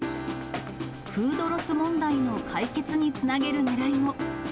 フードロス問題の解決につなげるねらいも。